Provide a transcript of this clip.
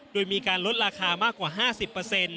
โดยมีการลดราคามากกว่า๕๐